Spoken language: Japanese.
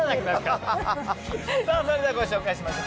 さあ、それではご紹介しましょう。